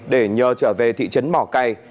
để nhờ trở về thị trấn mỏ cây